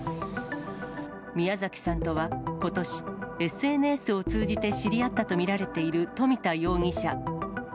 宮崎さんとはことし、ＳＮＳを通じて知り合ったと見られている冨田容疑者。